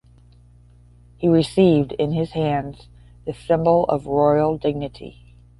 He received in his hands the symbol of royal dignity.